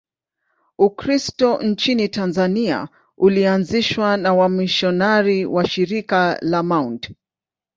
Ukristo nchini Tanzania ulianzishwa na wamisionari wa Shirika la Mt.